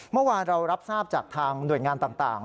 เมื่อวานเรารับทราบจากทางหน่วยงานต่าง